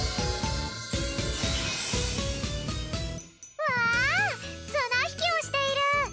うわつなひきをしている！